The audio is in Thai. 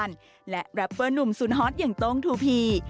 เมื่อนุ่มศูนย์ฮอตอย่างโต้งทูพี